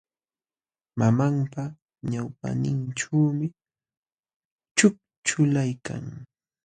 Mamanpa ñawpaqninćhuumi ćhukćhulaykan.